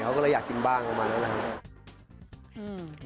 เขาก็เลยอยากกินบ้างประมาณนั้นนะครับ